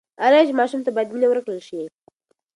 انا وویل چې ماشوم ته باید مینه ورکړل شي.